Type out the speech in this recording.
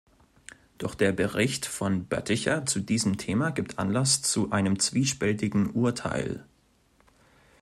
Doch der Bericht von Boetticher zu diesem Thema gibt Anlass zu einem zwiespältigen Urteil.